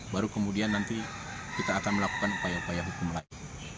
baru kemudian nanti kita akan melakukan upaya upaya hukum lain